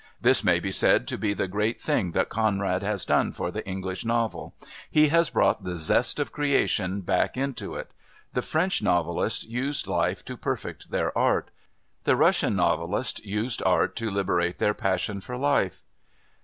This may be said to be the great thing that Conrad has done for the English novel he has brought the zest of creation back into it; the French novelists used life to perfect their art the Russian novelists used art to liberate their passion for life.